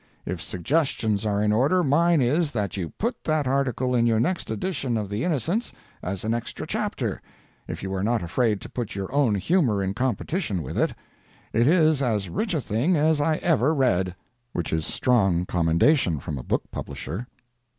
If suggestions are in order, mine is, that you put that article in your next edition of the "Innocents," as an extra chapter, if you are not afraid to put your own humor in competition with it. It is as rich a thing as I ever read." [Which is strong commendation from a book publisher.